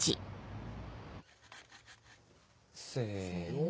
せの。